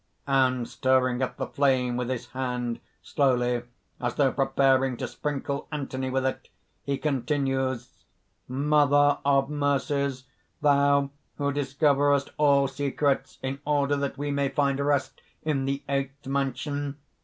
(And stirring up the flame with his hand, slowly, as though preparing to sprinkle Anthony with it, he continues: ) "Mother of mercies, thou who discoverest all secrets, in order that we may find rest in the eighth mansion...."